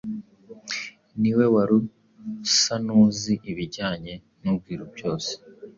Niwe wari usa n’uzi ibijyanye n’ubwiru byose,